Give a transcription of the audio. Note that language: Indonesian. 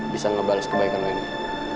bisa ngebales kebaikan lo ini